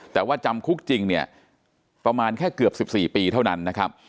แต่ว่าจำคุกจริงเนี่ยประมาณแค่เกือบ๑๔ปีเท่านั้นนะครับ